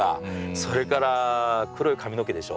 それから黒い髪の毛でしょ。